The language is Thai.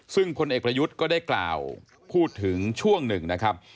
ซึ่งพลเอกประยุทธ์ก็ได้กล่าวพูดถึงช่วงหนึ่งนะครับ